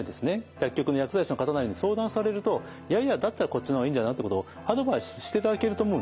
薬局の薬剤師の方なりに相談されるといやいやだったらこっちの方がいいんじゃない？ってことをアドバイスしていただけると思うんですね。